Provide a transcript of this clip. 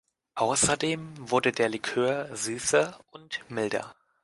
Außerdem wurde der Likör süßer und milder.